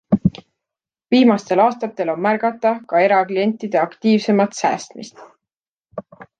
Viimastel aastatel on märgata ka eraklientide aktiivsemat säästmist.